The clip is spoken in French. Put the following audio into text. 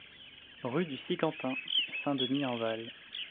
Rue du Sicantin, Saint-Denis-en-Val